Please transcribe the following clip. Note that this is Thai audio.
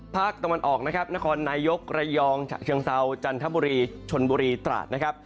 ภาคตะวันออกนะครับนครนายกระยองฉะเชิงเซาจันทบุรีชนบุรีตราดนะครับ